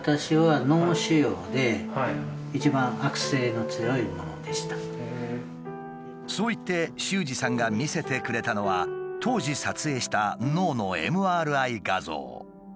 秀司さんは５年前そう言って秀司さんが見せてくれたのは当時撮影した脳のＭＲＩ画像。